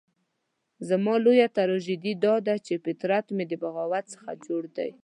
زما لويه تراژیدي داده چې فطرت مې د بغاوت څخه جوړ دی.